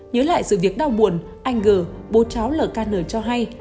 nhớ lại sự việc đau buồn anh g bố cháu lở can nở cho hay